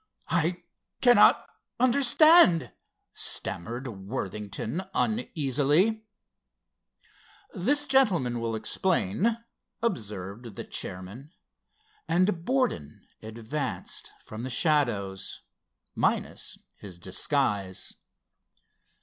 "I cannot understand," stammered Worthington, uneasily. "This gentleman will explain," observed the chairman and Borden advanced from the shadows, minus his disguise.